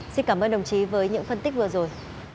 xin cảm ơn đồng chí với những phân tích vừa rồi